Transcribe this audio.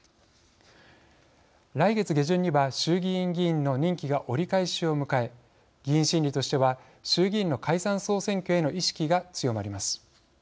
来月下旬には衆議院議員の任期が折り返しを迎え議員心理としては衆議院の解散・総選挙への意識が強まります。